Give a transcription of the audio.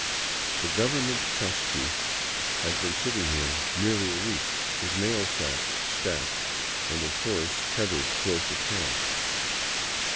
The government chasqui had been sitting here nearly a week, his mail sacks stacked and his horse tethered close at hand.